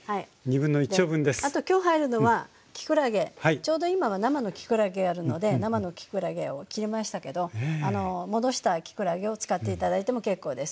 ちょうど今は生のきくらげがあるので生のきくらげを切りましたけど戻したきくらげを使って頂いても結構です。